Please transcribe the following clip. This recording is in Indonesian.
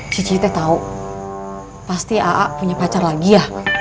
cici teh tau pasti a'a punya pacar lagi ya